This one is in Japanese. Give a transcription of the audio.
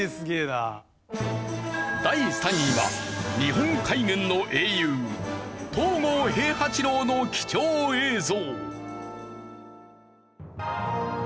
第３位は日本海軍の英雄東郷平八郎の貴重映像。